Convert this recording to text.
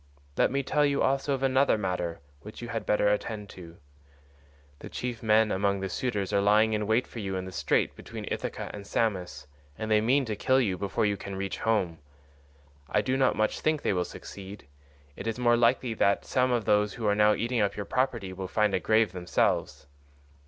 Let me tell you also of another matter which you had better attend to. The chief men among the suitors are lying in wait for you in the Strait128 between Ithaca and Samos, and they mean to kill you before you can reach home. I do not much think they will succeed; it is more likely that some of those who are now eating up your property will find a grave themselves.